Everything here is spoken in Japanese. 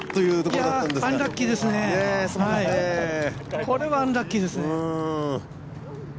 これはアンラッキーですね。